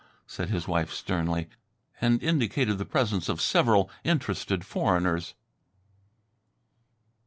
said his wife sternly, and indicated the presence of several interested foreigners.